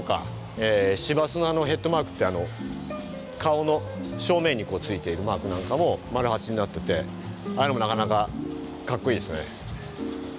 市バスのあのヘッドマークって顔の正面にこうついてるマークなんかも丸八になっててあれもなかなかかっこいいですね。